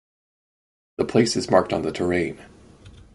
The place is marked on the terrain.